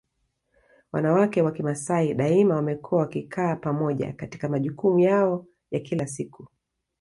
Wanawake wa Kimasai daima wamekuwa wakikaa pamoja katika majukumu yao ya kila siku